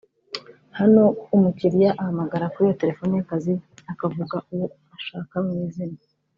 Hano umukiliya ahamagara kuri iyo terefone y’akazi akavuga uwo ashaka mu izina